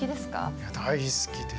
いや大好きです。